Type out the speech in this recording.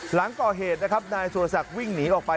หลังก่อเหตุนะครับนายสุรศักดิ์วิ่งหนีออกไป